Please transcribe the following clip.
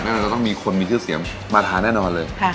เราจะต้องมีคนมีชื่อเสียงมาทานแน่นอนเลย